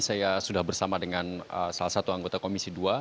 saya sudah bersama dengan salah satu anggota komisi dua